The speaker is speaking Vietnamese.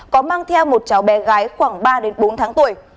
có mang theo một cháu bé gái khoảng ba đến bốn tháng tuổi